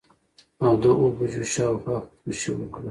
او د اووه بجو شا او خوا خودکشي وکړه.